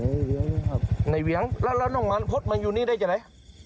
ในเวียงครับในเวียงแล้วแล้วน้องมันพฤษมาอยู่นี่ได้จากไหน